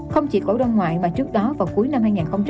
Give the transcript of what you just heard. không chỉ cổ đồng ngoại mà trước đó vào cuối năm hai nghìn hai mươi hai